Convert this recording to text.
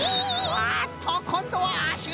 あっとこんどはあしがでた！